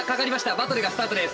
バトルがスタートです。